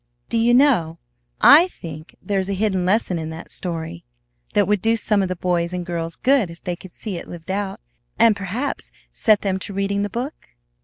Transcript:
Do you know, I think there's a hidden lesson in that story that would do some of those boys and girls good if they could see it lived out, and perhaps set them to reading the book?"